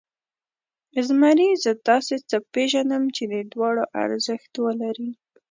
زمري، زه داسې څه پېژنم چې د دواړو ارزښت لري.